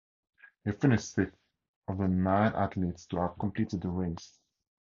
He finished sixth of the nine athletes to have completed the race.